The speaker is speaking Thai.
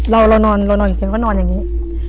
เรานอนกันก็นอนอย่างนี้